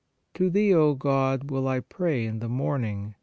"To Thee (O God, ) will I pray in the morning.